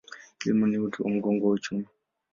Kilimo ni uti wa mgongo wa uchumi.